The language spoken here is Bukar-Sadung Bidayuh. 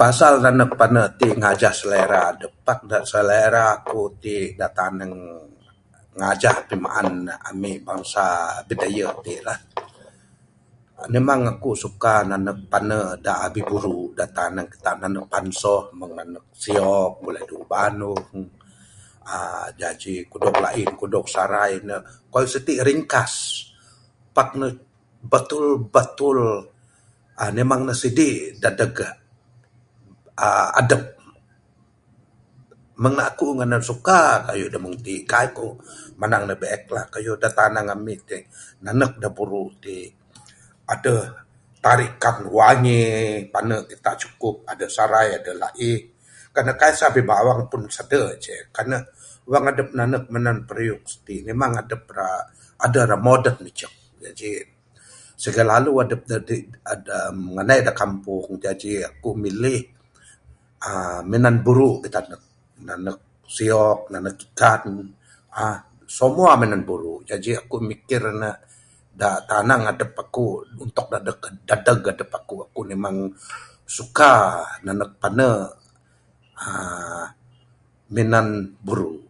Pasal nanuk panu' tik ngajah selera adup pak da selera kuk tik da taneng, ngajag pimaan ami' bangsa Bidayuh tik lah. Memang akuk suka nanuk panu' da abih buru' da' tanuk kitak. Mung ne pansoh, mung nanuk si'ok , gulai daun' bandong'. uhh Jaji kudog la'ih, kudog sarai ne. Kan sitik ringkas pak ne betul betul uhh memang ne sidi' dadeg uhh adup, Mung ne akuk ngan nang suka kayuh da mung iti'. Kaik kuk menang ne bi'ek lah kayuh da tanang ami' tik nanuk da buru' ti', aduh tarikan wangi. Panu kitak cukup. Aduh sarai, aduh la'eh. Kan kaisah bibawang pun, sadu' ceh. Kanuh, wang adup nanuk minan piriuk siti' memang adup ra aduh rak moden icuk. Jaji, segalalu adup ngandai da kampung, jaji akuk milih uhh minan buru' bitanuk. Nanuk si'ok, nanuk ikan. uhh Semua minan buru'. Jaji akuk mikir ne da tanang adup akuk tok dadeg adup akuk, akuk memang suka nanuk panu' uhh minan buru'.